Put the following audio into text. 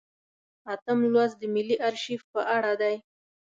اتم لوست د ملي ارشیف په اړه دی.